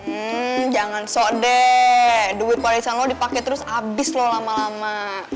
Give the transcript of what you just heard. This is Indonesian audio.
hmm jangan sok deh duit parisan lo dipake terus abis lo lama lama